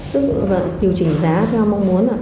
tức là tiêu chỉnh giá theo mong muốn